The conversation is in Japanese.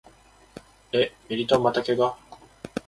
え、ミリトンまた怪我？